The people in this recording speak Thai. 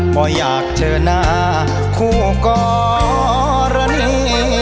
เพราะอยากเจอหน้าคู่กรณี